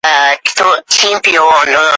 Xojasidan ayrilgandan so‘ng